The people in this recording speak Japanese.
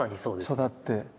育って。